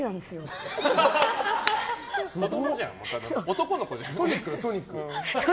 男の子じゃん。